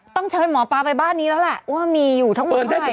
ต้องเชิญหมอป้าไปบ้านนี้แล้วแหละว่ามีอยู่ทั้งหมดหน่อย